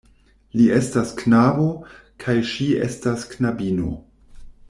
Li estas knabo, kaj ŝi estas knabino.